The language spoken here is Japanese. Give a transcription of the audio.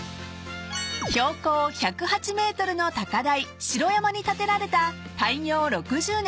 ［標高１０８ｍの高台城山に建てられた開業６０年